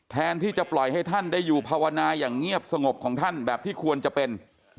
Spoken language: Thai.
แทนที่จะปล่อยให้ท่านได้อยู่ภาวนาอย่างเงียบสงบของท่านแบบที่ควรจะเป็น